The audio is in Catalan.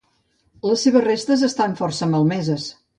Les seves restes estan força malmeses.